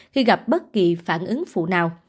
khi gặp bất kỳ phản ứng phụ nào